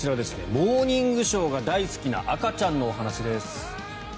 「モーニングショー」が大好きな赤ちゃんのお話です。